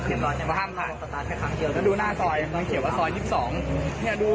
ก็เลยจะเลี้ยวเข้าไปรถมันก็ตกหลุม